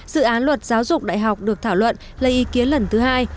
dự án luật giáo dục đại học được thảo luận lấy ý kiến lần thứ hai